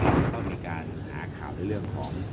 เราก็มีการหาข่าวได้เรื่องของ